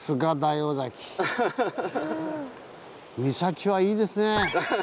岬はいいですね！